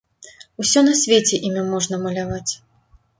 Усё на свеце імі можна маляваць!